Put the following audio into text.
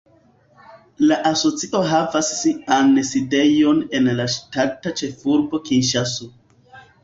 La asocio havas sian sidejon en la ŝtata ĉefurbo Kinŝaso.